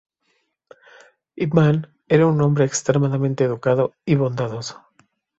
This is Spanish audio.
Ip Man era un hombre extremadamente educado y bondadoso.